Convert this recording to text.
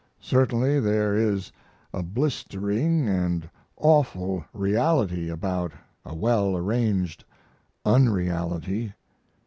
Certainly there is a blistering & awful reality about a well arranged unreality.